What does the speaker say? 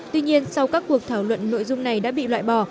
tuy nhiên sau các cuộc thảo luận nội dung này đã bị loại bỏ